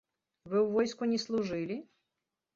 Вы ў войску не служылі?